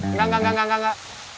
enggak enggak enggak